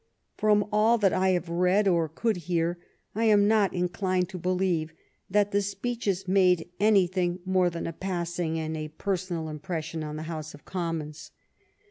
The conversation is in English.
From all that I have read or could hear I am not inclined to believe that the speeches made anything more than a passing and a personal impression on the House of Commons.